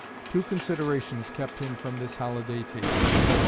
Two considerations kept him from this holiday taking.